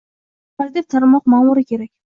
Korporativ tarmoq ma'muri kerak